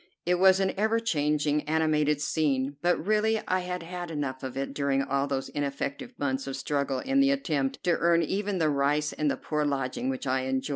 It was an ever changing, animated scene; but really I had had enough of it during all those ineffective months of struggle in the attempt to earn even the rice and the poor lodging which I enjoyed.